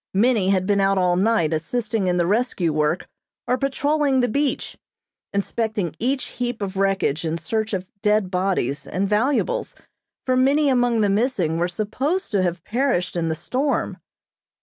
Many had been out all night assisting in the rescue work or patrolling the beach, inspecting each heap of wreckage in search of dead bodies and valuables, for many among the missing were supposed to have perished in the storm.